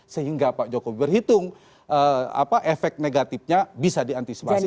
sehingga pak jokowi berhitung efek negatifnya bisa diantisipasi